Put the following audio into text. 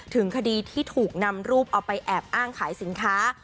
ถึงคดีที่ถูกนำรูปเอาไปแอบอ้างขายสินค้า